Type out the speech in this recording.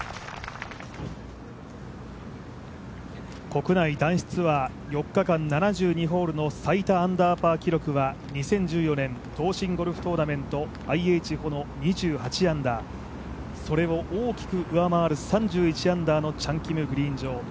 国内男子ツアー４日間７２ホールの最多アンダーパー記録は、２０１４年の２８アンダー、それを大きく上回る３１アンダーのチャン・キムグリーン上。